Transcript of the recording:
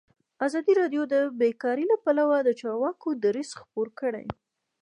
ازادي راډیو د بیکاري لپاره د چارواکو دریځ خپور کړی.